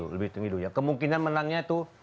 lebih tinggi dulu ya kemungkinan menangnya itu